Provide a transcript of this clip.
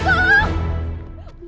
ibu bangun bu